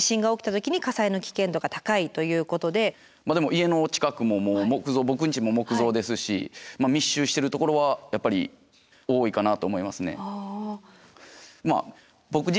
家の近くも木造僕んちも木造ですし密集してるところはやっぱり多いかなと思いますね。